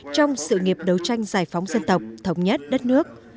trong sự nghiệp đấu tranh giải phóng dân tộc thống nhất đất nước